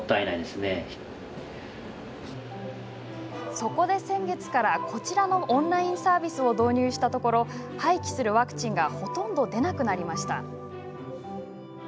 そこで先月からこちらのオンラインサービスを導入したところ廃棄するワクチンがほとんど出なくなりました。